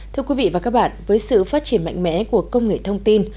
thưa quý vị và các bạn với sự phát triển mạnh mẽ của công nghệ thông tin